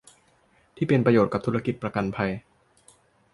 ที่เป็นประโยชน์กับธุรกิจประกันภัย